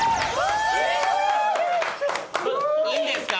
いいんですか？